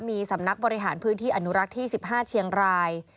มีสำนักบริหารพื้นที่อนุรักษ์ที่๑๕เชียงราย